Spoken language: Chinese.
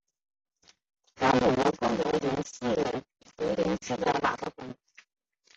该庙由功德林寺的喇嘛管理。